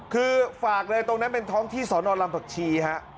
คือฝากเลยตรงนั้นเป็นท้องที่สอนอนลำผักชีฮะ